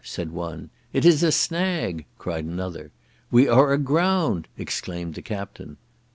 said one. "It is a snag!" cried another. "We are aground!" exclaimed the captain.